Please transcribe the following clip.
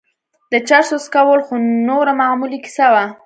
د چرسو څکول خو نوره معمولي کيسه وه.